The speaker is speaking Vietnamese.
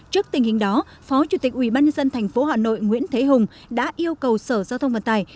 trước tình hình đó phó chủ tịch ubnd tp hà nội nguyễn thế hùng đã yêu cầu sở giao thông vận tải